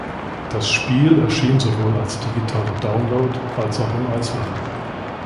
Das Spiel erschien sowohl als digitaler Download als auch im Einzelhandel.